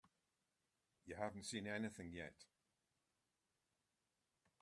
You haven't seen anything yet.